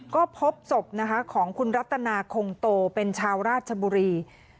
ก็พบศพนะคะของคุณรัตนาคงโตเป็นชาวราชบุรี